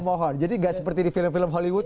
mohon jadi gak seperti di film film hollywood